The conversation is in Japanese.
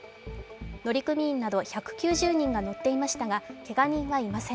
乗組員など１９０人が乗っていましたが、けが人はいません。